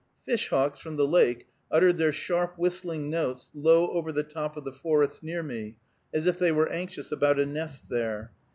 Fish hawks, from the lake, uttered their sharp whistling notes low over the top of the forest near me, as if they were anxious about a nest there.